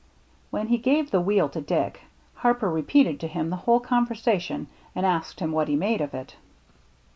When he gave the wheel to Dick, Harper repeated to him the whole conversation and asked him what he made of it.